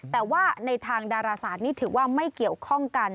แต่ว่าในทางดาราศาสตร์นี่ถือว่าไม่เกี่ยวข้องกัน